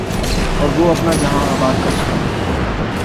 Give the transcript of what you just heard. اور وہ اپنا جہاں آباد کر سکتی ہے۔